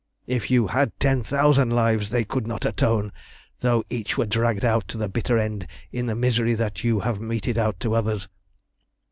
If you had ten thousand lives they could not atone, though each were dragged out to the bitter end in the misery that you have meted out to others.